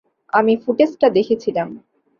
আমি ফুটেজটা দেখেছিলাম।